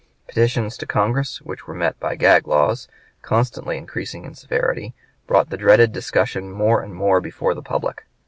Petitions to Congress, which were met by gag laws, constantly increasing in severity, brought the dreaded discussion more and more before the public.